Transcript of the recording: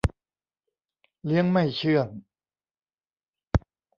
เลี้ยงไม่เชื่อง